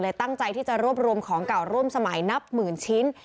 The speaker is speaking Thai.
ตั้งใจที่จะรวบรวมของเก่าร่วมสมัยนับหมื่นชิ้น